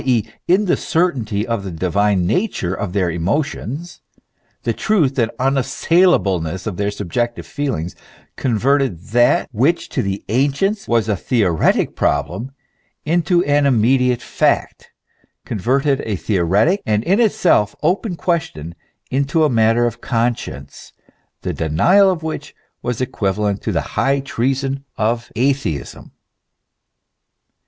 e., in the certainty of the divine nature of their emotions, the truth and unassailableness of their sub jective feelings, converted that which to the ancients was a theoretic problem, into an immediate fact, converted a theo retic, and in itself open question, into a matter of conscience, the denial of which was equivalent to the high treason of atheism.